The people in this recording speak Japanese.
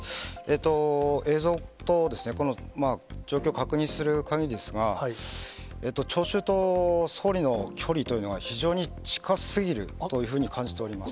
映像とこの状況を確認するかぎりですが、聴衆と総理の距離というのは、非常に近すぎるというふうに感じております。